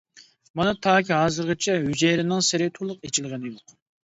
مانا تاكى ھازىرغىچە ھۈجەيرىنىڭ سىرى تولۇق ئېچىلغىنى يوق.